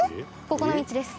ここの道です。